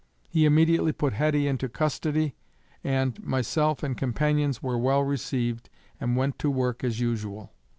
He immediately put Heddy into custody, and myself and companions were well received and went to work as usual.